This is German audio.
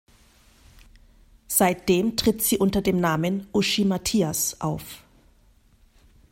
Seitdem tritt sie unter dem Namen "Uschi Matthias" auf.